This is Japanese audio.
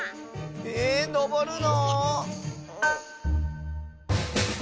ええっ⁉のぼるの？